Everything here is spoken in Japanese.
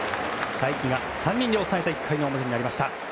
才木が３人で抑えた１回の表になりました。